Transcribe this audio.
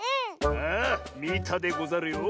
ああみたでござるよ。